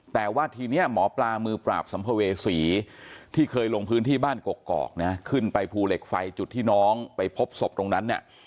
แต่ว่าทีนี้หมอปลามือปราบสัมภเวษีที่เคยลงพื้นที่บ้านกกอกนะขึ้นไปภูเหล็กไฟจุดที่น้องไปพบศพตรงนั้นเนี่ย